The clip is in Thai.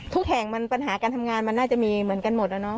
แห่งมันปัญหาการทำงานมันน่าจะมีเหมือนกันหมดแล้วเนาะ